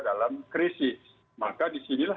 dalam krisis maka disinilah